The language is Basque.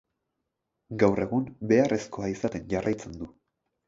Gaur egun, beharrezkoa izaten jarraitzen du.